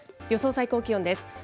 予想最高気温です。